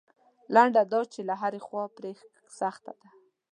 لنډه دا چې له هرې خوا پرې سخته ده.